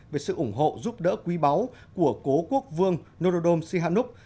về sự ủng hộ giúp đỡ quý báu của cố quốc vương norodom sihanouk